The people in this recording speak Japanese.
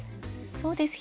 そうです